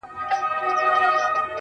څه پروین د نیمي شپې څه سپین سبا دی،